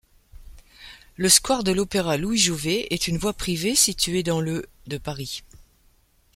Le square de l'Opéra-Louis-Jouvet est une voie privée située dans le de Paris.